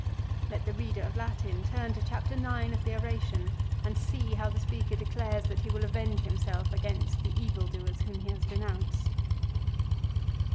Let the reader of Latin turn to Chapter IX of the oration and see how the speaker declares that he will avenge himself against the evildoers whom he has denounced.